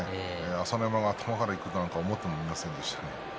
朝乃山が頭からいくなんて思ってもみませんでしたね。